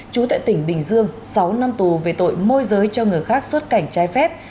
trú tại tỉnh bình dương sáu năm tù về tội môi giới cho người khác xuất cảnh trái phép